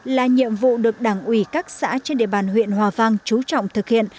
là nhiệm vụ được đảng ủy các xã trên địa bàn huyện hòa vang trú trọng thực hiện